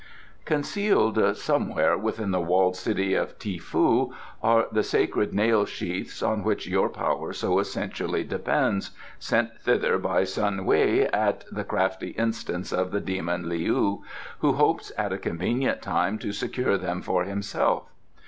"Concealed somewhere within the walled city of Ti foo are the sacred nail sheaths on which your power so essentially depends, sent thither by Sun Wei at the crafty instance of the demon Leou, who hopes at a convenient time to secure them for himself.